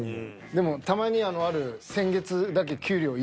でもたまにある。